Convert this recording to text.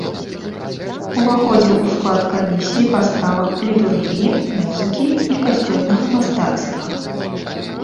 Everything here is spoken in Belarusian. Уваходзіў у склад камісіі па справах літургіі, музыкі і касцёльнага мастацтва.